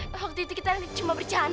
waktu itu kita cuma bercanda eang